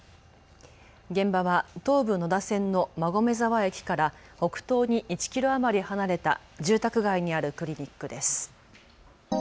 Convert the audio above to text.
現場は東武野田線の馬込沢駅から北東に１キロ余り離れた住宅街にあるクリニックです。